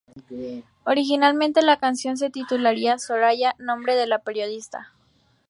Originalmente la canción se titularía "Soraya", nombre de la periodista.